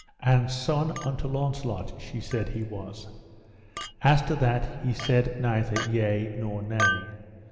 And son unto Launcelot, she said he was. As to that, he said neither yea nor nay.